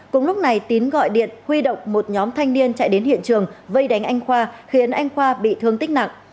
cùng lúc này tín gọi điện huy động một nhóm thanh niên chạy đến hiện trường vây đánh anh khoa khiến anh khoa bị thương tích nặng